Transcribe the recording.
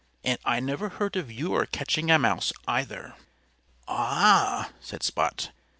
And I never heard of your catching a mouse, either." "Ah!" said Spot.